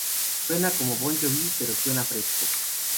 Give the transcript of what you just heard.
Suena como Bon Jovi, pero suena fresco.